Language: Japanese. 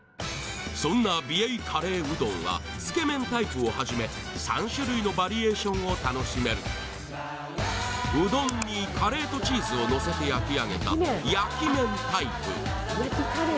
そんな美瑛カレーうどんはつけ麺タイプをはじめ３種類のバリエーションを楽しめるうどんにカレーとチーズをのせて焼き上げた焼き麺タイプ